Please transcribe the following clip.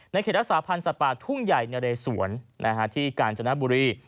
เขตรักษาพันธ์สัตว์ป่าทุ่งใหญ่นะเรสวนที่กาญจนบุรี